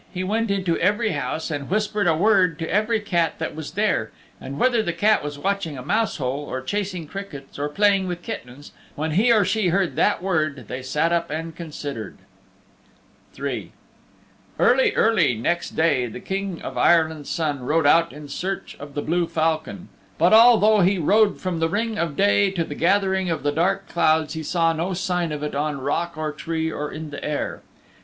He went into every house and whispered a word to every cat that was there, and whether the cat was watching a mouse hole, or chasing crickets, or playing with kittens, when he or she heard that word they sat up and considered. III Early, early, next day the King of Ireland's Son rode out in search of the blue falcon, but although he rode from the ring of day to the gathering of the dark clouds he saw no sign of it on rock or tree or in the air.